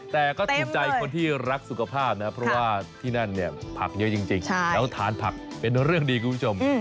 แต่ก็ถูกใจคนที่รักสุขภาพนะเพราะว่าที่นั่นเนี่ยผักเยอะจริงแล้วทานผักเป็นเรื่องดีคุณผู้ชม